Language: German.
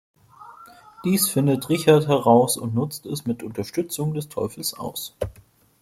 Dies findet Richard heraus und nutzt es mit Unterstützung des Teufels aus.